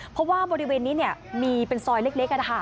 เพราะว่ามบริเวณนี้เนี่ยมีเป็นซอยเล็กค่ะนะคะ